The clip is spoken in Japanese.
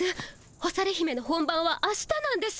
干され姫の本番はあしたなんです。